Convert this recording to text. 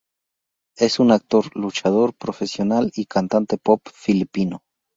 Es un actor, luchador profesional y cantante pop filipino.